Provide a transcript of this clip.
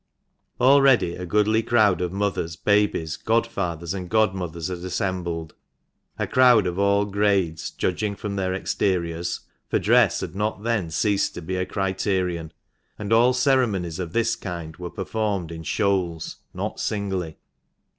Already a goodly crowd of mothers, babies, godfathers and godmothers had assembled — a crowd of all grades, judging from their exteriors, for dress had not then ceased to be a criterion ; and all ceremonies of this kind were performed in shoals — not singly.